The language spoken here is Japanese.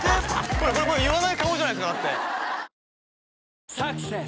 これ言わない顔じゃないですかだって「サクセス」